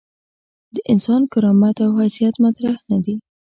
د انسان کرامت او حیثیت مطرح نه دي.